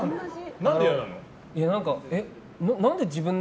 何で嫌なの？